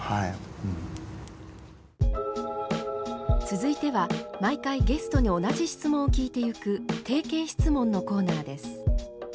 続いては毎回ゲストに同じ質問を聞いていく「定型質問」のコーナーです。